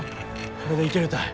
これでいけるたい。